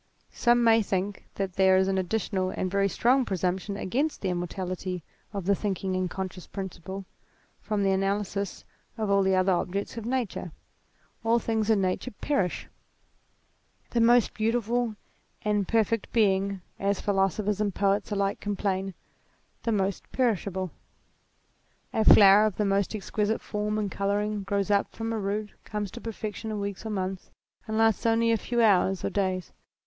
Some may think that there is an additional and very strong presumption against the immortality of the thinking and conscious principle, from the analysis of all the other objects of Nature. All things in 202 THEISM Nature perish, the most beautiful and perfect being, as philosophers and poets alike complain, the most perishable. A flower of the most exquisite form and colouring grows up from a root, comes to perfection in weeks or months, and lasts only a few hours or days.